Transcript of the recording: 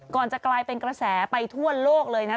จะกลายเป็นกระแสไปทั่วโลกเลยนะ